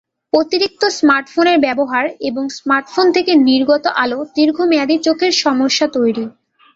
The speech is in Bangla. অতিরিক্ত স্মার্টফোনের ব্যবহার এবং স্মার্টফোন থেকে নির্গত আলো দীর্ঘমেয়াদি চোখের সমস্যা তৈরি।